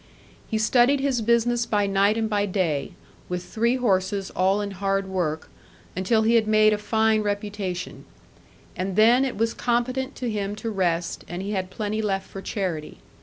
He studied his business by night and by day, with three horses all in hard work, until he had made a fine reputation; and then it was competent to him to rest, and he had plenty left for charity.